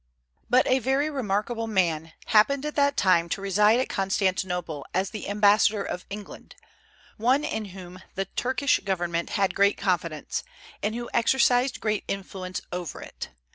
But a very remarkable man happened at that time to reside at Constantinople as the ambassador of England, one in whom the Turkish government had great confidence, and who exercised great influence over it.